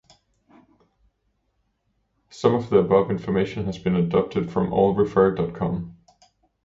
Some of the above information has been adapted from AllRefer dot com.